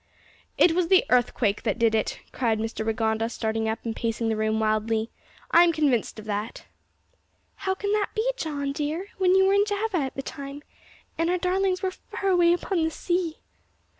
"It was the earthquake that did it," cried Mr Rigonda, starting up, and pacing the room wildly, "I'm convinced of that." "How can that be, John, dear, when you were in Java at the time, and our darlings were far away upon the sea?"